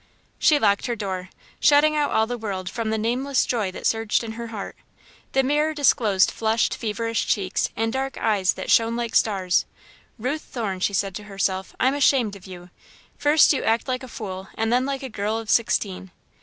She locked her door, shutting out all the world from the nameless joy that surged in her heart. The mirror disclosed flushed, feverish cheeks and dark eyes that shone like stars. "Ruth Thorne," she said to herself, "I'm ashamed of you! First you act like a fool and then like a girl of sixteen!"